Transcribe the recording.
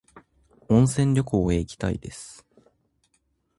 温泉旅行へ行きたいです